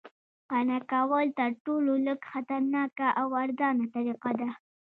قانع کول تر ټولو لږ خطرناکه او ارزانه طریقه ده